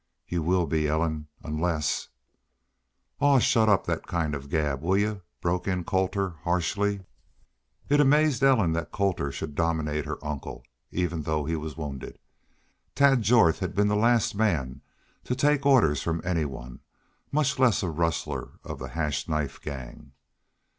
"Y'u will be Ellen unless " "Aw, shut up that kind of gab, will y'u?" broke in Colter, harshly. It amazed Ellen that Colter should dominate her uncle, even though he was wounded. Tad Jorth had been the last man to take orders from anyone, much less a rustler of the Hash Knife Gang.